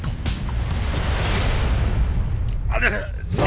pak ya allah pak pak